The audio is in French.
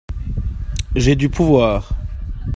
J'ai du pouvoir.